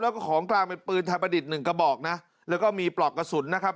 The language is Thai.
แล้วก็ของกลางเป็นปืนไทยประดิษฐ์หนึ่งกระบอกนะแล้วก็มีปลอกกระสุนนะครับ